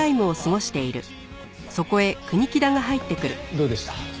どうでした？